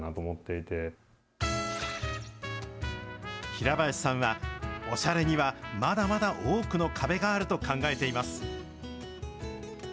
平林さんは、オシャレにはまだまだ多くの壁があると考えています。